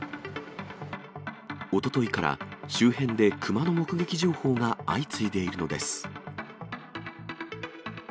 おとといから、周辺で熊の目撃情報が相次いでいるのです。